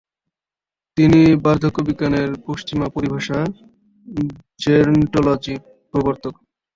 তিনি বার্ধক্যবিজ্ঞানের পশ্চিমা পরিভাষা "জেরন্টোলজি"-র প্রবর্তক।